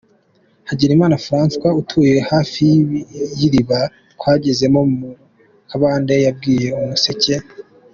Hagenimana Francois utuye hafi y’iriba twagezemo mu kabande yabwiye Umuseke.